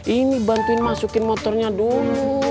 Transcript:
ini bantuin masukin motornya dulu